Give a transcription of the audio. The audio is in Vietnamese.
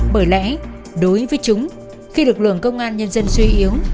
bởi lẽ đối với chúng khi lực lượng công an nhân dân suy yếu